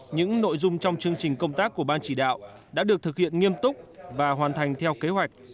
những nội dung trong chương trình công tác của ban chỉ đạo đã được thực hiện nghiêm túc và hoàn thành theo kế hoạch